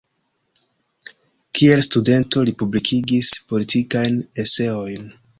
Kiel studento li publikigis politikajn eseojn.